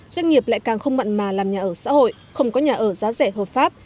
doanh nghiệp lại càng không mặn mà làm nhà ở xã hội không có nhà ở giá rẻ hợp pháp